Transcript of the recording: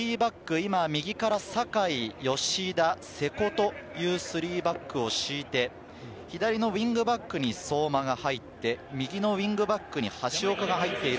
今右から酒井、吉田、瀬古という３バックを敷いて、左のウイングバックに相馬が入って、右のウイングバックに橋岡が入っている。